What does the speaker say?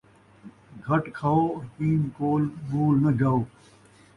گھٹ کھئو ، حکیم کول مُول ناں جاؤ